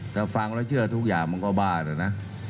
ถ้าฟังแล้วเชื่อทุกอย่างมันก็บ้านอะนะ